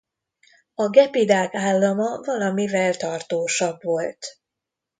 A gepidák állama valamivel tartósabb volt.